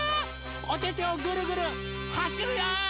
おててをぐるぐるはしるよ！